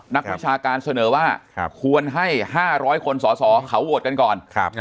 นักวิชาการเสนอว่าควรให้๕๐๐คนสอสอเขาโหวตกันก่อน